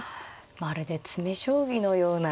まるで詰め将棋のような。